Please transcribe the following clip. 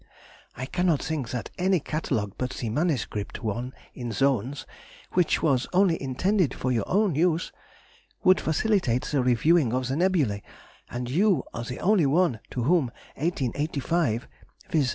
I cannot think that any catalogue but the MS. one in zones (which was only intended for your own use) would facilitate the reviewing of the Nebulæ, and you are the only one to whom 1885, viz.